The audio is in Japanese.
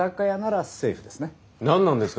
何なんですか？